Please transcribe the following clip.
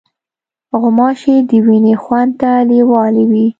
غوماشې د وینې خوند ته لیوالې وي.